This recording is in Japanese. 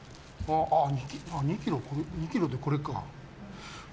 ２ｋｇでこれか。